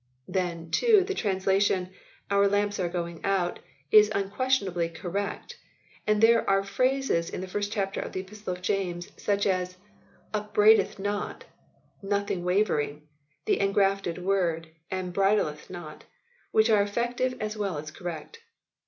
Then, too, the translation " our lamps are going out is unquestionably correct ; and there are phrases in the 1st chapter of the Epistle of James, such as "up braideth not "; "nothing wavering"; " the engrafted word"; and "bridleth not," which are effective as well as correct.